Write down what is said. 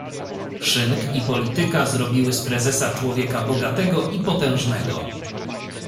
"Szynk i polityka zrobiły z prezesa człowieka bogatego i potężnego."